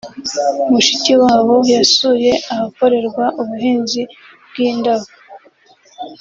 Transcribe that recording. Mushikiwabo yasuye ahakorerwa ubuhinzi bw’indabo